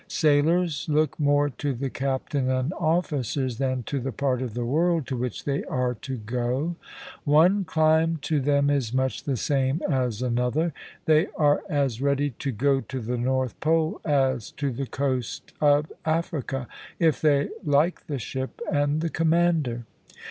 Sailors look more to the captain and officers than to the part of the world to which they are to go. One clime to them is much the same as another. They are as ready to go to the North Pole as to the coast of Africa, if they like the ship and the commander.